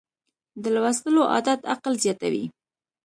د لوستلو عادت عقل زیاتوي.